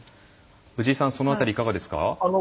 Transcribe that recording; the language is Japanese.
藤井さんその辺りいかがですか？